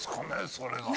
それが。